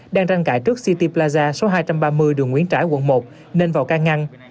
đang tranh cãi trước city plaza số hai trăm ba mươi đường nguyễn trãi quận một nên vào can ngăn